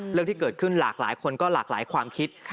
เรื่องที่เกิดขึ้นหลากหลายคนก็หลากหลายความคิด